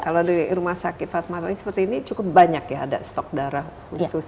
kalau di rumah sakit fatmawati seperti ini cukup banyak ya ada stok darah khusus